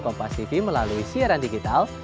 kompas tv melalui siaran digital